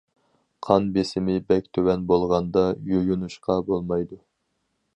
قان بېسىمى بەك تۆۋەن بولغاندا، يۇيۇنۇشقا بولمايدۇ.